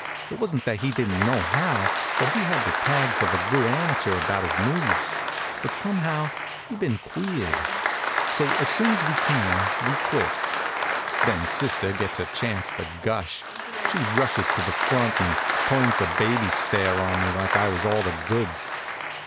It wa'n't that he didn't know how, for he had all the tags of a good amateur about his moves; but somehow he'd been queered. So, as soon as we can, we quits. Then sister gets her chance to gush. She rushes to the front and turns the baby stare on me like I was all the goods.